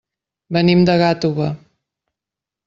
Venim de Gàtova.